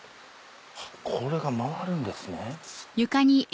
これが回るんですね。